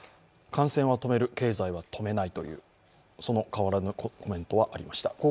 感染を止める経済は止めないという変わらぬコメントがありました。